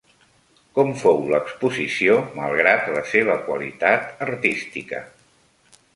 Com fou l'exposició malgrat la seva qualitat artística?